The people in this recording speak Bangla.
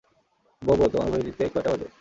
বোবো, তোমার ঘড়িতে কয়টা বাজে?